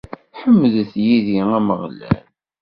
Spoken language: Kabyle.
Ḥemdet yid-i Ameɣlal.